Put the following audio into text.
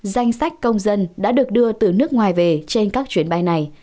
danh sách công dân đã được đưa từ nước ngoài về trên các chuyến bay này